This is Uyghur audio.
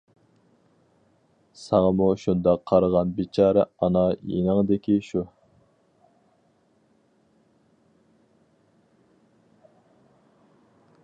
ساڭىمۇ شۇنداق قارىغان بىچارە ئانا يېنىڭدىكى شۇ.